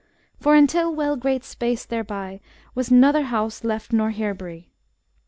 For intill well great space thereby, Was nother house left nor herb*ry.